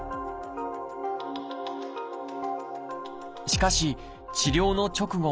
しかし治療の直後